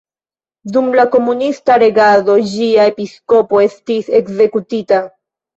Dum komunista regado ĝia episkopo estis ekzekutita.